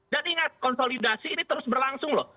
dan ingat konsolidasi ini terus berlangsung loh